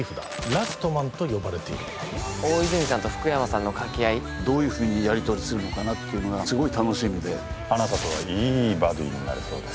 ラストマンと呼ばれている大泉さんと福山さんの掛け合いどういうふうにやりとりするのかなっていうのがすごい楽しみであなたとはいいバディになれそうです